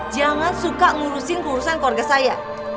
jangan suka ngurusin urusan keluarga saya